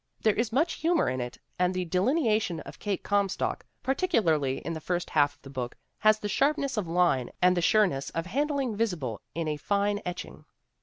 There is much humor in it and the delineation of Kate Comstock, particularly in the first half of the book, has the sharpness of line and the sureness of handling visible in a fine etching.